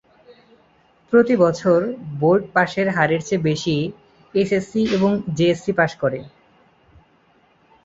প্রতিবছর বোর্ড পাশের হারের চেয়ে বেশি এস এস সি এবং জেএসসি পাশ করে।